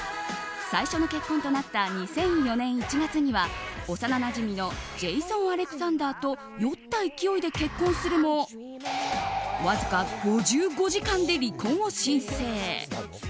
最初の結婚となった２００４年１月には幼なじみのジェイソン・アレクサンダーと酔った勢いで結婚するもわずか５５時間で離婚を申請。